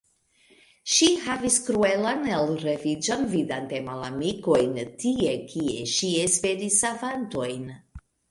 Ŝi havis kruelan elreviĝon vidante malamikojn, tie, kie ŝi esperis savantojn.